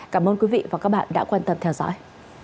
cảm ơn quý vị và các bạn đã quan tâm theo dõi